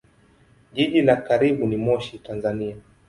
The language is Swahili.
Jiji la karibu ni Moshi, Tanzania.